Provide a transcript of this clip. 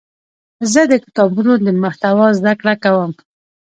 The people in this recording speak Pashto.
زه د کتابونو د محتوا زده کړه کوم.